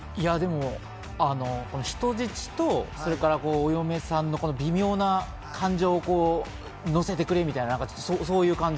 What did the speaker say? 人質とお嫁さんの微妙な感情をのせてくれみたいな、そういう感じ。